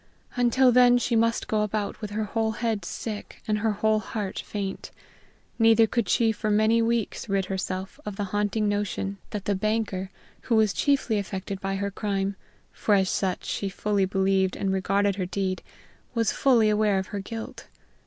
Until then she must go about with her whole head sick and her whole heart faint; neither could she for many weeks rid herself of the haunting notion that the banker, who was chiefly affected by her crime, for as such she fully believed and regarded her deed, was fully aware of her guilt.